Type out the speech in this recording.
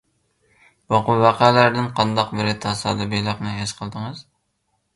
بۇ ۋەقەلەردىن قانداق بىر تاسادىپىيلىقنى ھېس قىلدىڭىز؟